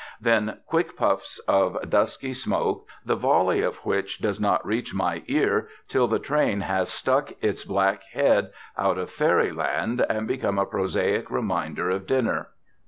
Then quick puffs of dusky smoke, the volley of which does not reach my ear till the train has stuck its black head out of fairyland and become a prosaic reminder of dinner.